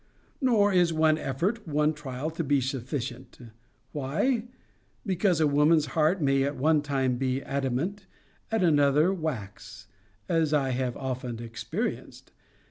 'Nor is one effort, one trial, to be sufficient. Why? Because a woman's heart may at one time be adamant, at another wax' as I have often experienced.